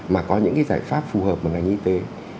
mà có những cái giải pháp phù hợp của ngành y tế